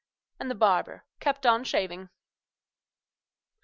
And the barber kept on shaving.